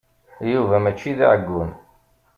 Yuba mačči d aɛeggun.